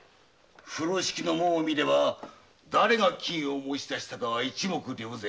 風呂敷の紋を見れば誰が金を持ち出したかは一目瞭然。